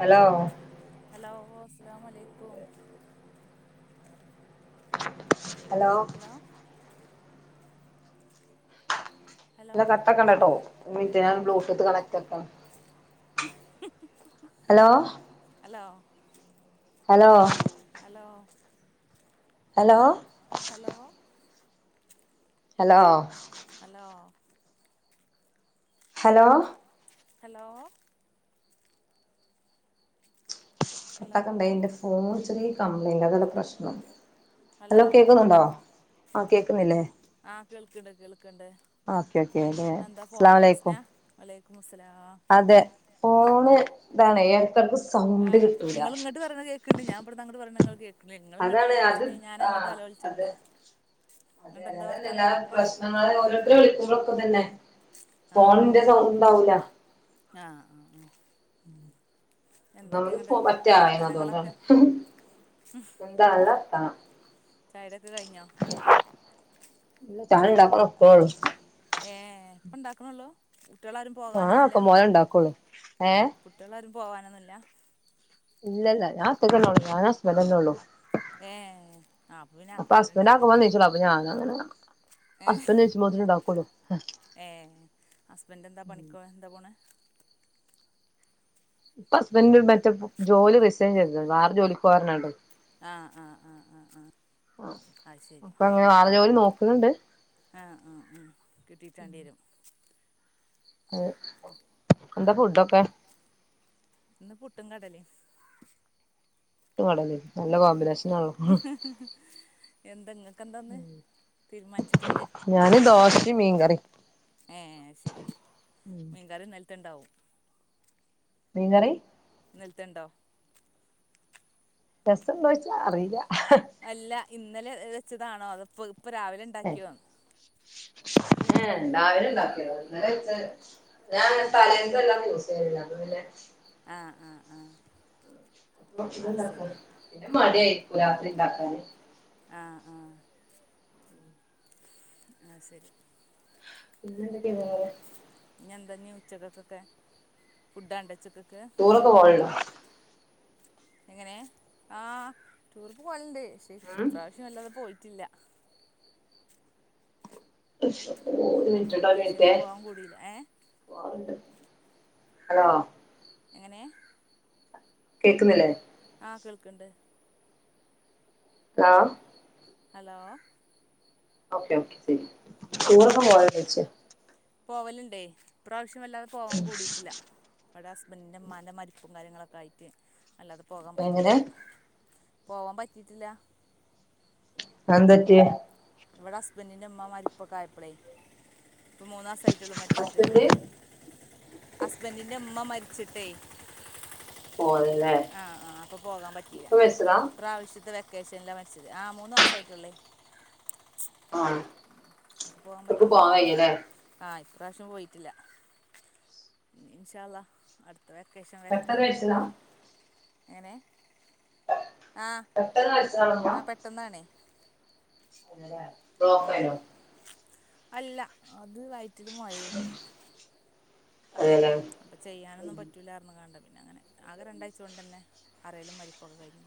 Hello hello അസ്സലാമുഅലൈക്കും hello hello ഇല്ല കട്ടാക്കണ്ടട്ടോ ഒരു മിൻറ്റ് ഞാന് bluetooth കണക്റ്റാക്കണ് [unintelligible] hello hello hello hello hello hello hello hello hello hello hello കട്ടാക്കണ്ട എന്റെ ഫോൺ ചെറിയ കംപ്ലെയിന്റാ അത്അതാ പ്രശ്നം ഹലോ ഹല്ലോ കേക്കുന്നുണ്ടോ ആഹ കേക്കുന്നില്ലേ ആഹ കേൾക്കണ്ട് കേൾക്കണ്ട് ഓക്കെ ഓക്കെ അതെ എന്താ ഫോണിന് പ്രശ്ന അസ്സലാമലൈക്കും വിള അതെ ഫോണ് ഇതാണേ ആഹ് നിങ്ങട്ട് പറഞ്ഞ കേക്കണ്ട് ഞാൻ അടുത്തെ അങ്ങട്ട പറഞ്ഞ ങ്ങ ഇങ്ങട്ട് അതാണ് അത് ഹലോവിളിച്ചിട്ടു ഞാൻ അങ്ങോട്ടും ആഹ് അതെ ഹലോവിളിച്ചിണ്ട് അതെ അതെയതല്ലെ എല്ലാ പ്രശ്നങ്ങളെ ഓരോരുത്ത വിളിക്ക തന്നെ ആ ആ ഫോണിന്റെ സണ്ടാവൂല ആ ആ ആ ആ എന്തൊക്കെ ഇങ്ങട്ട് നമ്മള്പ്പോ പറ്റയന അതുകൊണ്ടാണ് വർത്താനങ്ങളൊക്കെ എന്ത അലത്താ ചായുടിയൊക്കെ കഴിഞ്ഞോ ഇ ചാണ്ടാപ്പക്കഴ ഏഹ ഇപ്പ ഉണ്ടാക്കണള്ളോ ആഹ അപ്പൊ മോല ഉണ്ടാക്കോളൂ ഏ പോവാനൊന്നുമില്ല ഇല്ല ഇല്ല ഞൻ ഒറ്റക്കല്ലേള്ളു ഞാനാ ഹസ്ബണ്ടല്ലേള്ളു ഏ ആപ്പവിനെ ആക്കും പോലെ ഹസ്ബൻഡ് ആക്കം ഇണ്ടാക്കിയ പോലെ അത് നീച്ചോളും അപ്പൊ ഞാനങ്ങനെ ഏ ഹസ്ബൻഡ് നീച്ചുമ്പോത്തിന് ഉണ്ടാക്കുള്ളൂ ഏ ഹസ്ബൻഡ എന്താ പണിക്ക എന്താ പോണ ഇപ്പ ഹസ്ബൻഡ പറ്റ ജോലി റിസൈൻ ചെയ്ത വേറെ ജോലി പോകാട്ടോ ആഹ് ആഹ് ആഹ് ആഹ് ആഹ അ ശരി അണ്ട് ആഹ് ആഹ ഉ കിട്ടിയിട്ടാണ്ടി വരും ഹ് എന്താ ഫുഡൊക്കെ ഇന്ന് പുട്ടും കടലയും കട നല്ല കോമ്പിനേഷനള്ള എന്തങ്ങക്കെന്താന്ന് തീരുമാനിച്ചിട്ടില്ലേ മീൻ കറി ഏ ശരി മീൻകറി ഇന്നലെത്തുണ്ടാവും മീൻ കറി ഇന്നലത്തെയുണ്ടോ രസമുണ്ടോ വെച്ചാ അറിയില്ല അല്ല ഇന്നലെ വെച്ചതാണോ അതപ്പോ ഇപ്പൊ രാവിലെ ഏഹ് ഉണ്ടാക്കിയോ രാവിലെ ഉണ്ടാക്കിയതാ ഇന്നലെ വെച്ച ഞാൻ തലേന്നന്തെല്ലാം യൂസ് ചെയ്യലില് അത് പിന്നെ ആഹ് അ അ പിന്നെ മടി ആയിരിക്കുംരാത്രി ഉണ്ടാക്കാന് ആ ആ ആ ശരി പിന്നെ എന്തൊക്കെയ വേറെ ഇനി എന്താ ഉച്ചക്കൊക്കെ ഫുഡാവണ്ടെ ഉച്ചക്കെ ടുറെക്കെ പോവലുണ്ടോ എങ്ങനെ ആഹ് ടൂറിന് പോകലുണ്ട് പക്ഷെ ഉം ഇപ്രാവശ്യം അല്ലാതെ പോയി ട്ടില്ല [unintelligible] മിനിറ്റ് ട്ടോ ഒരു വെക്കേഷനിൽ മിനിറ്റേ പോവാൻ കൂടിയില്ല ഏഹ് പോവാറുണ്ട് ഹലോ എങ്ങനെ കേക്കുന്നില്ലേ ആ കേൾക്കുണ്ട് ആ ഹലോ ഓക്കെ ഓക്കെ ശരി ടൂറൊക്കെ പോയ ചോദിച്ചയാ പോവലുണ്ടേ ഇപ്രാവശ്യം വല്ലാതെ പോവാൻ കൂടിയിട്ടില്ല ഇവടെ ഹസ്ബൻഡിൻ്റെ ഉമ്മാൻ്റെ മരിപ്പും കാര്യങ്ങളൊക്കെ ആയിട്ട് അല്ലാതെ പോകാൻ എങ്ങനെ പറ്റിയിട്ടില്ല പോവാൻ പറ്റിയിട്ടില്ല അതെന്തു പറ്റിയേ ഇവിടെ ഹസ്ബൻഡിന്റെ ഉമ്മ മരിപ്പൊക്കൊയയപ്പളേ ഇപ്പ മൂന്ന് മാസം ആയി ട്ടുള്ളു മരിച്ചിട്ട് ഹസ്ബൻഡ് ഹസ്ബന്റിന്റെ ഉമ്മ മരിച്ചിട്ടേ പോവലില്ലേ ആ ആഹ് അപ്പൊ പോകാൻ പറ്റില്ല ഇപ്പൊ മരിച്ചതാ പ്രാവശ്യത്തെ വെ- ക്കേഷനിലാ മരിച്ചത് ആ മൂന്ന് മാസെ ആയിട്ടുള്ളേ ആ ഇക്ക് പറ്റിയില്ല പോവാൻ കഴിയ്യില്ലല്ലേ ആ ഇപ്രാവശ്യം പോയിട്ടില്ല ഇൻഷാല്ല അടുത്ത അടുത്ത വെക്കേഷൻ വരട്ടെ പെട്ടെന്ന് മരിച്ചതാ അങ്ങനെ പെട്ടെന്ന് മരിച്ചതായിപ്പോ പെട്ടെന്നാണേ ഉം. ബ്ലോക്കാരുന്നോ അല്ല അത് വയറ്റില് മുഴേയിനു അതേല്ലേ അപ്പൊ ചെയ്യാനൊന്നും ഉം പറ്റൂലാന്ന് പറഞ്ഞിങ്ങാണ്ട് പിന്നെ അങ്ങനെ ആകെ രണ്ടാഴ്ച്ച കൊണ്ട് തന്നെ അറിയലും മരിപ്പൊക്കെ കഴിഞ്ഞു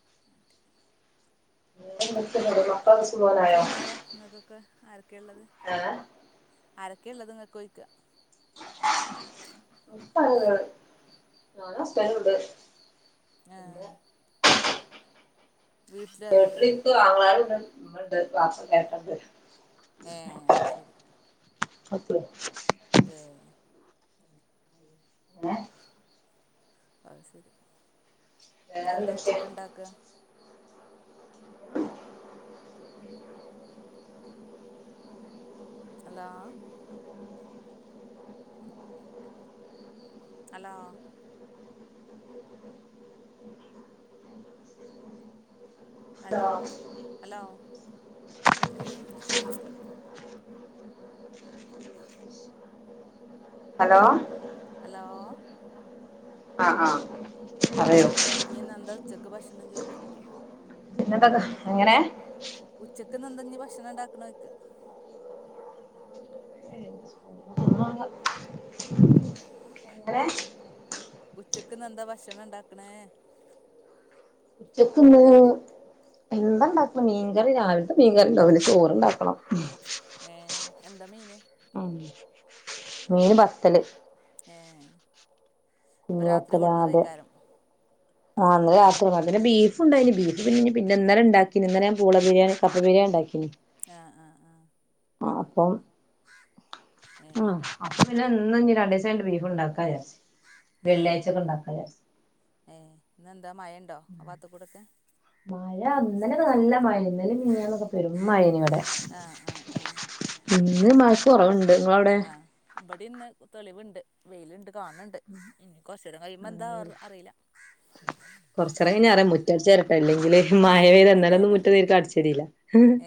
[unintelligible] [unintelligible] ക്കുള്ളത് ഏഹ് അരക്കുള്ളതെങ്ങക്കൊഴിക്ക ഉപ്പയുണ്ട് ഞാനും ഹസ്ബന്റും ഉണ്ട് പിന്നെ വീട്ടിലാവില്ലേ [unintelligible] ശരി അത്ര ഏഹ് ഏ അഹ ശരി ഇൻഞന്താ വേറെന്തൊക്കെ ഉച്ചക്ക് ഇണ്ടാക്ക- hello hello hello hello hello hello ആഹ ആഹ പറയു ഇന്ന്ഞ്ഞ്എന്താ ഉച്ചക്ക് ഭക്ഷണം ചോയ്ക്ക് പിന്നെന്തൊക്കെ എങ്ങനെ? ഉച്ചക്ക് നന്തഞ്ഞഞ് ഭക്ഷണം ഇണ്ടാക്കണ ചോയ്ക്ക എങ്ങനെ ഉച്ചക്ക്ന്ന് എന്താ ഭക്ഷണം ഇണ്ടാക്കണേ ഉച്ചക്കന്ന് എന്താണ്ടാക്കണം മീൻകറി രാവിലത്തെ മീൻകറി ഉണ്ടാവും പിന്നെചോറ്ണ്ടാക്കണം. ഏ എന്താ മീന് ഉ മീന് പത്തല് ഏ അപ്പം കുഞ്ഞി രാത്രി വത്തലാ അതെ കൊടുന്നതേക്കാരം ആഹ അന്നെ രാത്രി പിന്ന ബീഫ ഉണ്ടായിന് ബീഫ പിന്ന പിന്നേം ഉണ്ടാക്കിനന് ഇന്നലെ ഞാൻ പുള ബിരിയാ കപ്പ ബിരിയാണി ഉണ്ടാക്കിന് ആഹ് ആഹ് ആഹ ആ അപ്പം ഏ ഉ ഇഞ്ഞ്‌ന്ന്‌രണ്ടീദിസം കയ്യിഞ്ഞ് ബീഫ് ഉണ്ടാക്കാ ഏ വെള്ളിയാഴ്ചൊക്കെ ഉണ്ടാക്കാ വിചാരിച്ച് ഏ ഇ ന്നന്ന്ന്താ മയണ്ടോ ആവാത്ത് കൂടെഒക്കെ മഴ ഇന്ന ലൊക്കെ നല്ല മഴ ഇ മഞ്ഞന്നൊക്കെ പെരും മഴനിവിടെ ആ ആ ആ ഇന്ന് മഴക്ക് കുറവുണ്ട്. നിങ്ങളവിടെ ആഹ് ഇവിടെ ഇന്ന് തെളിവുണ്ട് വെയിലുണ്ട് കാണണ്ട് കുറച്ചരെ കൈയുപോ എന്താ അവ അറിയില്ല. കൊർചേരം കയിഞ്ഞച്ചമയ പെയ്താ ഇന്നലെന്നുമുറ്റ അടിചോരില്ല തരട്ടെ അല്ലെങ്കില് മഴ പെയ്താ ഇന്നലെ ഒന്നും മുറ്റശെരിക്കാ അടിച്ചരിയില്ല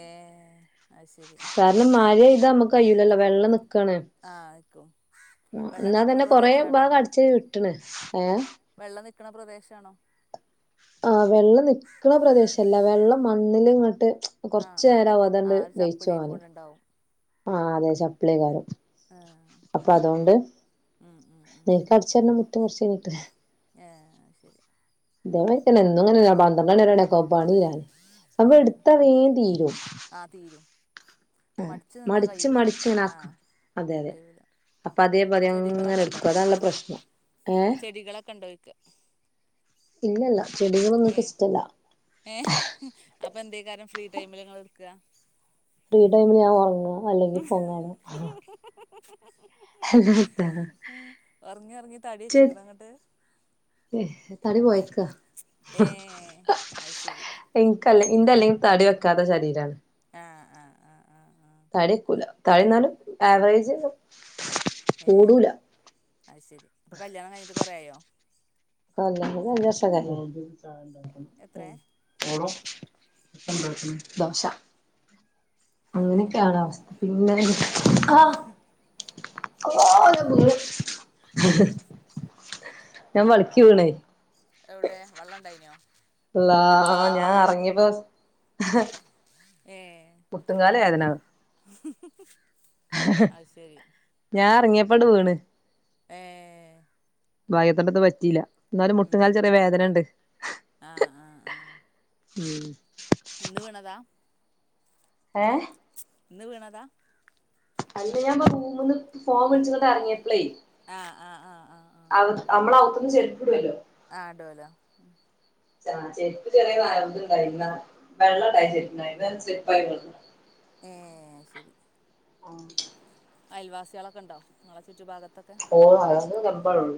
ഏഹ് അത് ശരി കാരണം മഴ ഇതാ നമ്മുക്ക് കയയില്ലല്ലോ വെള്ളം നി ആഹ് നിക്കും വെള്ളം ക്ണ്എന്നാ നിക്കണ തന്നെ കൊറെ പ്രദേശാണോ ഭാഗ അടിചോരിവിട്ടണ് ഏ വെള്ളം നിക്കണ പ്രദേശാണോ? ആ വെള്ളം നിക്കണ പ്രദേശല്ല വെള്ളം മണ്ണിൽ ഇങ്ങോട്ട് ആഹ് കൊറച്ചു ആഹ് നേരം ആവും ങ്ങട്ട് ആഹ് ഒരു അതങ്ങട്ടലയിച്ചോവന് ചപ്പിളിയായിക്കൊണ്ടുണ്ടാവും ആഹ അതെ ചപ്പ്ളിയ്കാരം ആഹ് അപ്പൊ അതോണ്ട് ഉം ഉം ഉം നേര്ക് അടിചോരണം മുറ്റ കൊർ ചെയ്യ്ഞ്ഞിട്ട് ആ ശരി ഇതേ മായിരി കൊന്നെ പന്ത്രണ്ട്ണി കെ ആ കും പണീരാന്. സംഭവ ഏഹ് എടുത്ത വേ തീരും ആഹ് തീരും ആ മടിച്ചു നിന്നാ കഴിയൂല ആഹ് മടിച്ച്മടിച്ച്ണാക്കും അതെ അതെ കഴിയൂല അപ്പൊ അതേ പതി അങ്ങനെ എടുക്കും അതാല്ല പ്രശ്നം ഏ ചെടികളെ ക്കെണ്ടോയ്ക്കാ? ഇല്ലല്ല ചെടികളന്നുംക്ക് ഇഷ്ടല്ല ഏഹ് അപ്പൊ എന്ത കാരണം ഫ്രീ ടൈമില് നിങ്ങൾ എടുക്കാ ഫീ ടൈമില് ഞാൻ ഉറങ്ങുംഅല്ലെങ്കി ഫോ കാണു ഹഹ്ഹ് ഉറങ്ങിറങ്ങി തടിവച്ചിക്ക്ണോന്നിട്ട് ഏ തടി പോയക്കാ ഏഹ് അത് ശരി ഇൻക്ക്ഇന്റെ അല്ലെങ്കിൽ തടി വെക്കാത്ത ശരീരാണ് ആഹ് ആഹ ആ് ആ തടിക്കൂല തടി ന്നാലും ആവറേജ് ഏ കൂടൂല അത് ശരി അപ്പൊ കല്യാണം കഴിഞ്ഞിട്ട് കൊറയായോ [unintelligible] എത്രേ എ പോക്കുന്നു ദോശ അങ്ങനെയൊക്കെയാണ് അവസ്ഥ പിന്നെ ഹ്ഹ് ഓ ഞാൻ വളിക്ക വീണേ എവിടെ വള്ളം ഇണ്ടായിനോ അല്ലാ ഞാൻ ഇറങ്ങിയപ്പോ ഹ് ഏ മുട്ട്കാലു വേദന അത് ശരി ഞാൻ ഇറങ്ങിയപ്പാട് വീണ് ഏ ഭാഗ്യത്തിന്റെത്ത് പറ്റിയില്ല എന്നാലും മുട്ടും കാല ഉം ചെറിയ വേദനുണ്ട് ആഹ് ആഹ് ആഹ് ഉം ഇന്ന് ഏ ഇന്നെ വേണതാണ് അല്ല ഞാൻ റൂമന്ന് ഫോം വിളിച്ചിട്ട ഇങ്ങിയ ആഹ് ആഹ് ആഹ് ആഹ് ആഹ് ആഹ് നമ്മളവിത്തന്ന് ചെരുപ്പ ഇടുല്ലോ ആഹ് ഡോലോ ആ ചെരുപ്പ് ചെറിയ നായ ഇണ്ടായി ഇന്ന വെള്ള ഇണ്ടായി ചെപ്പണ്ട ചെപ്പായിള്ളു ഏ ശരി ആ അയൽവാസികളൊക്കെ ഉണ്ടോ നി ഓ അതന്ന് നമ്പാഴള്ളൂ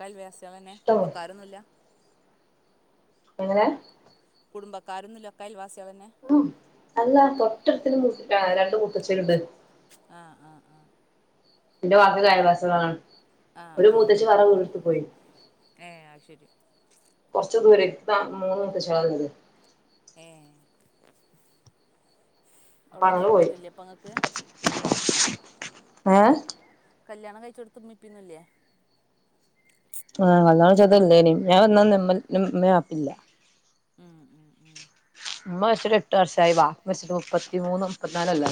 കൽ വ്യാസികൾ തന്നെ കുടുംബക്കാരൊന്നുമ ഇല്ല എങ്ങനെ കുടുംബക്കാരൊന്നുല്ലക്കൊയൽ വ ഉ അല്ലാ തൊട്ടടുത്തും മൂട്ടിട്ടാണ് രണ്ടട്ട ആഹ് ആഹ് ആഹ എന്റെ വാക്ക് കായബാസ കാണ് ആഹ് ഒരു ആഹ് മൂത്തച് ആഹ് വറ വർത്ത് പോയി ഏഹ് അത് ശരി കൊറച്ച ദൂര മൂന്ന്ത്തെമാരുണ്ട് ഏഹ് അപ്പൊ അങ്ങനെ പോയി അവിടെമ്മയപ്പന്നില്ലേ അപ്പൊ അങ്ങക്ക് ആഏ കല്യാണം കഴിച്ചോടുത്തുമ്മിപ്പന്നല്ലേ ആഹല്ല ചതല്ലനും ഞാൻ വന്നാമ്മപ്പില്ല ഉം ഉം ഉം ഉമ്മ വെച്ചിട്ട എട്ട് വർഷമായി വാ മെച്ചിട്ട് മുപ്പത്തിമൂന്ന് മുപ്പത്തിനാലല്ലേ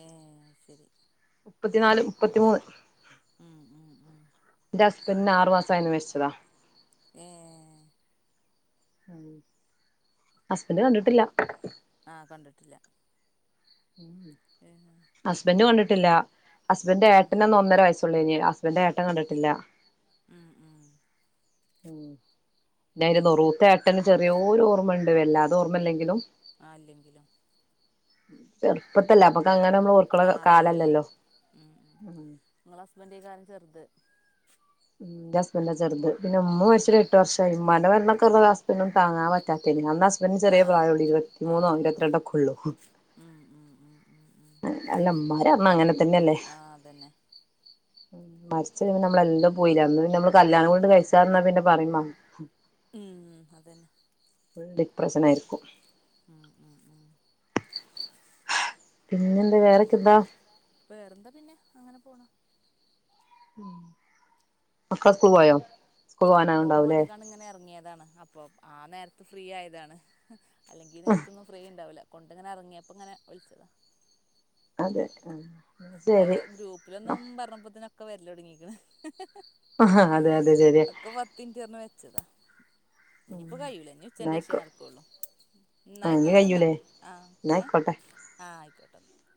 ഏ ശരി മുപ്പത്തിനാല് മുപ്പത്തിമൂന്ന് ഉം ഉം ഉം എന്റെ ഹസ്ബൻഡന് ആറു മാസയരുന്നു മരിച്ചതാ ഏ ഉം ഹസ്ബന്ഡ് കണ്ടിട്ടില്ല ആഹ കണ്ടിട്ടില്ല ഏഹ് ഹസ്ബന്ഡ കണ്ടിട്ടില്ല ഹസ്ബൻഡന്റെ ഏട്ടന് ഒന്ന് ഒന്നര വയസുള്ളൂ കഴിഞ് ഹസ്ബൻഡന്റെ ഏട്ടൻ കണ്ടിട്ടില്ല ഉം ഉം ഉ പിന്ന് നൊറുത്തെ എട്ടന് ചെറിയൊരു ഓർമ്മുണ്ട് വല്ലാതെ ഓർമ്മയില്ലെങ്കിലും ആല്ലുംകില ചെറുപ്പത്തില്ലേ അപ്പൊക്ക അങ്ങനെ നമ്മളർക്കുള്ള ആഹ് അറിയില്ലല്ലോ കാലല്ലല്ലോ ചെറത് ന്റെ ഹാസബഡാ ചെറുത് പിന്നെ ഉമ്മ ഉം മരിച്ചട്ട എട്ട്ർഷ ഇമാ വരുന്നൊക്ക ഉള്ള ഹസ്ൻും താങ്ങാൻറ്റാത്തനി ഹസ്ബൻഡ ചെിയ ആഹ് പ്രായഉള്ളു ഇരു ഇരു പത്തിമൂന്നോ ആഹ് അയിരത്തി ഉള്ളു രണ്ടൊക്കെ ഉള്ളൂ ഉം ഉം ഉം ഉം ഉം അല്ലമാര അണാ അങ്ങനെ തന്നെയല്ലേ ആ അതന്നെ മരിച്ചരുമ്പ നമ്മളെല്ലാം പോയില്ല അന്ന് പിന്ന നമ്മള് ആ കല്യാണം കൊണ്ട് പോയില്ലേ കഴിച്ചാന്നാ പിന്നെ പറയ ഉം അതന്നെ പ്രച്ചനായിരിക്ക മം ഉ ഉ പിന്നെ എന്താ വേറെൊക്കെന്താ വേറെന്താ പിന്നെ അങ്ങനെ പോണ അക്കകവായാ പോ മലിക്ക ഇങ്ങനെ ഇറങ്ങിയതാണ് അപ്പൊ ആ നേരത്തെ ഫ്രീ ആയതാണ് അല്ലെങ്കിൽ നേരത്തൊന്നും ഫ്രീ ഉണ്ടാവില്ല കൊണ്ട ഇങ്ങനെ ഇറങ്ങിയപ്പ ഇങ്ങനെ വിളിച്ചതാ അതെ ആ അവ ഗ്രൂപ്പിലൊന്നും പറഞ്ഞപ്പോത്തനൊക്കെ വരില്ല തുടങ്ങിക്കാണ് ആ അതെ അതെ ശരിയ മിനിറ്റ് പറഞ്ഞ് വെച്ചതാ ഇനിയിപ്പോ കഴൂല ഇനി ഉച്ചന്റെേഷ ന്നായിക്കോ നടക്കുവുള്ളൂ എന്ന ആ ഇനി ആയിക്കോട്ടെന്നാ കയ്യൂലേ ആ ഏ ന്നായിക്കോട്ടെ ആഹ ആയിക്കോട്ടെന്നാ